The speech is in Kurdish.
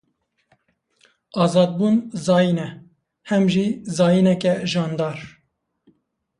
Azadbûn zayîn e; hem jî zayîneke jandar.